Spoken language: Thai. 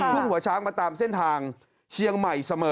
ทุ่งหัวช้างมาตามเส้นทางเชียงใหม่เสมอ